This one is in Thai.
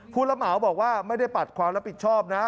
ผู้รับเหมาบอกว่าไม่ได้ปัดความรับผิดชอบนะ